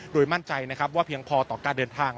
โดยมั่นใจนะครับว่าเพียงพอต่อการเดินทาง